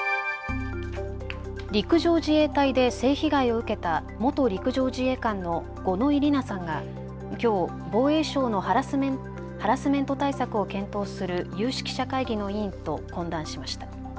陸上自衛隊で性被害を受けた元陸上自衛官の五ノ井里奈さんがきょう防衛省のハラスメント対策を検討する有識者会議の委員と懇談しました。